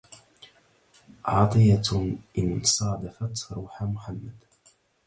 عطية إن صادفت روح محمد